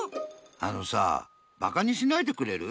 あのさぁバカにしないでくれる？